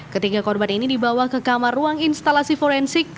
ketiga korban ini dibawa ke kamar ruang instalasi forensik